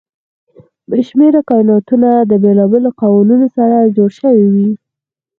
بې شمېره کایناتونه د بېلابېلو قوانینو سره جوړ شوي وي.